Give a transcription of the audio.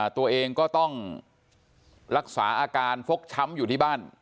ตัวเองก็ต้องรักษาอาการฟกช้ำอยู่ที่บ้าน